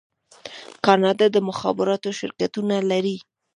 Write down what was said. کاناډا د مخابراتو شرکتونه لري.